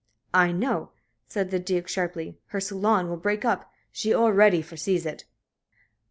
"I know," said the Duke, sharply. "Her salon will break up. She already foresees it."